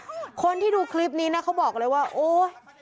คนที่ดูคลิปนี้นะเขาบอกเลยว่าโอ๊ย